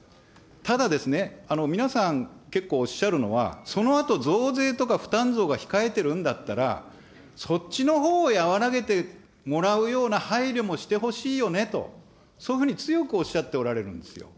ただですね、皆さん、結構おっしゃるのは、そのあと増税とか負担増が控えてるんだったら、そっちのほうを和らげてもらうような配慮もしてほしいよねと、そういうふうに強くおっしゃっておられるんですよ。